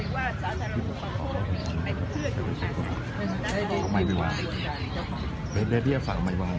ว่าสาธารณะอุปโภคไม่เชื่ออยู่ทางไทยมันได้ได้ไม่วางไม่ได้ได้ฝากไม่วาง